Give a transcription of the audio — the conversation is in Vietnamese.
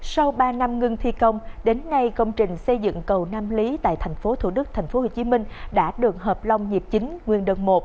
sau ba năm ngưng thi công đến nay công trình xây dựng cầu nam lý tại thành phố thủ đức thành phố hồ chí minh đã được hợp long nhịp chính nguyên đơn một